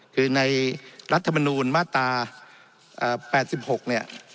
คือในรัฐธรรมนูญมาตรเอ่อแปดสิบหกเนี้ย